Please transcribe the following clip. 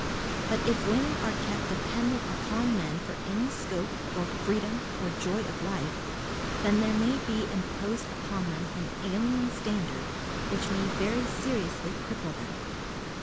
But if women are kept dependent upon men for any scope or freedom or joy of life, then there may be imposed upon them an alien standard which may very seriously cripple them.